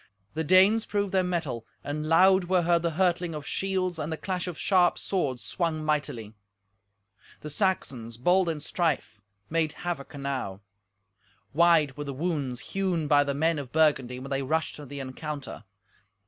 The Danes proved their mettle, and loud were heard the hurtling of shields and the clash of sharp swords swung mightily. The Saxons, bold in strife, made havoc enow. Wide were the wounds hewn by the men of Burgundy when they rushed to the encounter.